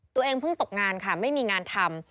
ตัวเองเพิ่งตกงานค่ะไม่มีงานทำ